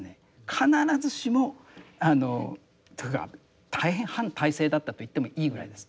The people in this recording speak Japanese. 必ずしもあのというか大変反体制だったと言ってもいいぐらいです。